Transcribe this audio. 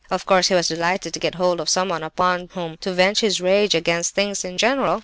"Of course he was delighted to get hold of someone upon whom to vent his rage against things in general.